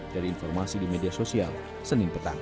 dari informasi di media sosial senin petang